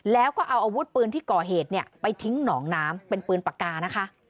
แล้วก็เอาอาวุธปืนที่ก่อเหตุไปทิ้งหนองน้ำเป็นปืนปากกานะคะ